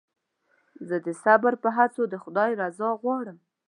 زه د صبر په هڅو د خدای رضا غواړم.